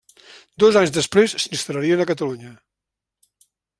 Dos anys després s'instal·larien a Catalunya.